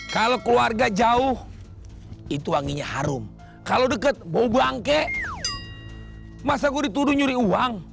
kalau keluarga jauh itu wanginya harum kalau dekat mau bangke masa gue dituduh nyuri uang